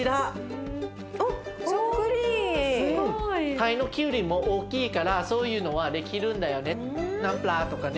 タイのきゅうりも大きいからそういうのはできるんだよね。